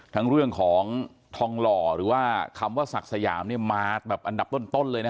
ทั้งเรื่องของทองหล่อหรือว่าคำว่าสักสยามมาอันดับต้นเลยนะคะ